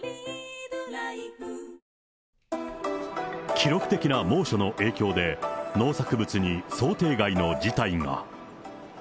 記録的な猛暑の影響で、農作物に想定外の事態が。